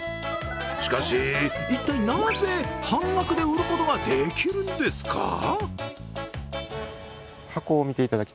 しかし一体なぜ、半額で売ることができるんですか？